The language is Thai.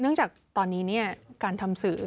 เนื่องจากตอนนี้เนี่ยการทำสื่อ